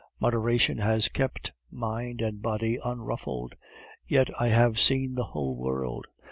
Moderation has kept mind and body unruffled. Yet, I have seen the whole world.